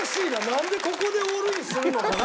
なんでここでオールインするのかな？